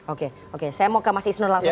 oke oke saya mau ke mas isnur langsung